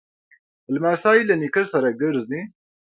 لمسی له نیکه سره ګرځي.